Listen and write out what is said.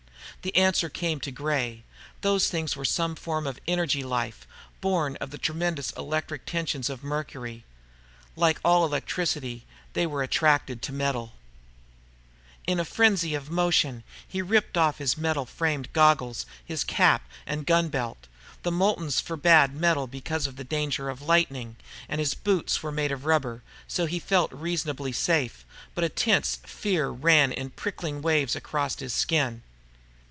The answer came to Gray. Those things were some form of energy life, born of the tremendous electric tensions on Mercury. Like all electricity, they were attracted to metal. In a sudden frenzy of motion, he ripped off his metal framed goggles, his cap and gun belt. The Moultons forbade metal because of the danger of lightning, and his boots were made of rubber, so he felt reasonably safe, but a tense fear ran in prickling waves across his skin.